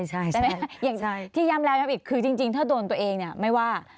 อย่างที่ย้ำแล้วยังอีกคือจริงถ้าโดนตัวเองไม่ว่า